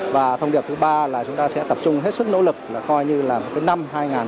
và thông điệp thứ ba là chúng ta sẽ tập trung hết sức nỗ lực coi như là năm hai nghìn hai mươi bốn